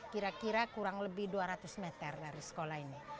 kira kira kurang lebih dua ratus meter dari sekolah ini